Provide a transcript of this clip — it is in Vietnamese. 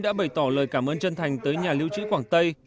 đã bày tỏ lời cảm ơn chân thành tới nhà lưu trữ quảng tây